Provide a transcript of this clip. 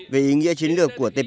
về ý nghĩa chiến lược của tpp